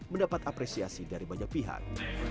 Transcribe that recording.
mendapat apresiasi dari banyak pihak